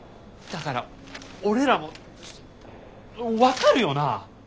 だから俺らも分かるよな？